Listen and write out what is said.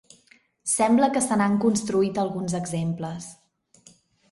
Sembla que se n'han construït alguns exemples.